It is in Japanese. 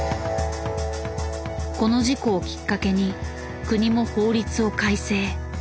この事故をきっかけに国も法律を改正。